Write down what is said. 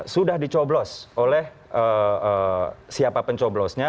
sudah dicoblos oleh siapa pencoblosnya